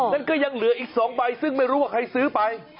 นั้นก็ยังเหลืออีก๒ใบซึ่งไม่รู้ว่าใครซื้อไป